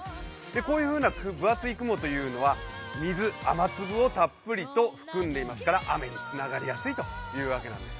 こういう分厚い雲というのは水、雨粒をたっぷりと含んでいますから雨につながりやすいというわけなんです。